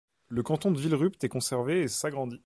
Le canton de Villerupt est conservé et s'agrandit.